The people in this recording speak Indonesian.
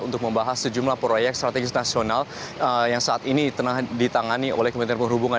untuk membahas sejumlah proyek strategis nasional yang saat ini tengah ditangani oleh kementerian perhubungan